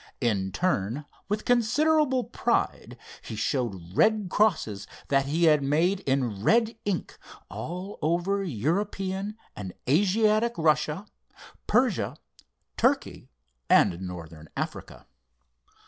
In turn, with considerable pride he showed red crosses he had made in red ink all over European and Asiatic Russia, Persia, Turkey and Northern Africa.